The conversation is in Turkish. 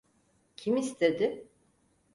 Kim istedi?